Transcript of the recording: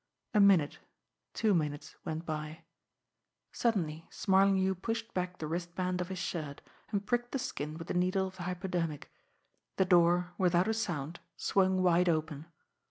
A minute, two minutes went by. Suddenly Smarlinghue pushed back the wristband of his shirt, and pricked the skin with the needle of the hypodermic. The door, without a sound, swung wide open.